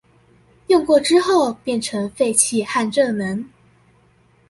用過之後變成廢氣和熱能